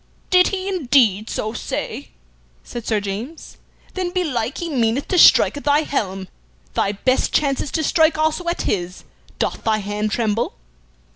"Did he indeed so say?" said Sir James. "Then belike he meaneth to strike at thy helm. Thy best chance is to strike also at his. Doth thy hand tremble?"